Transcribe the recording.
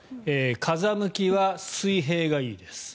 風向きは水平がいいです。